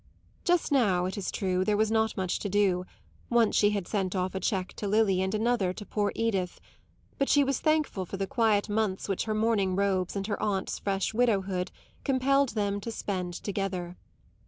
Just now, it is true, there was not much to do once she had sent off a cheque to Lily and another to poor Edith; but she was thankful for the quiet months which her mourning robes and her aunt's fresh widowhood compelled them to spend together.